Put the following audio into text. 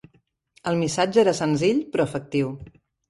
El missatge era senzill però efectiu.